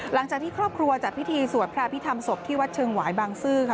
หลังจากที่ครอบครัวจัดพิธีสวดพระพิธรรมศพที่วัดเชิงหวายบางซื่อค่ะ